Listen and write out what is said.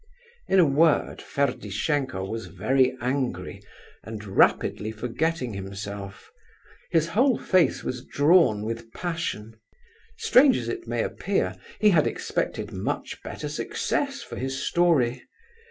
In a word, Ferdishenko was very angry and rapidly forgetting himself; his whole face was drawn with passion. Strange as it may appear, he had expected much better success for his story.